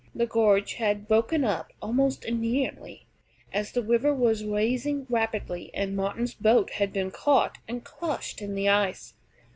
The gorge had broken up almost immediately, as the river was rising rapidly, and Martin's boat had been caught and crushed in the ice.